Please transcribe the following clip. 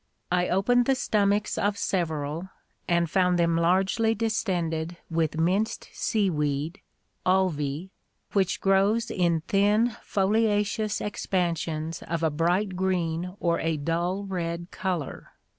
... I opened the stomachs of several, and found them largely distended with minced sea weed (Ulvae), which grows in thin foliaceous expansions of a bright green or a dull red colour.